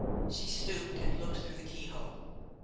She stooped and looked through the keyhole.